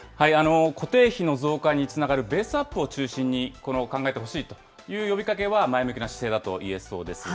固定費の増加につながるベースアップを中心にこれを考えてほしいという呼びかけは、前向きな姿勢だといえそうです。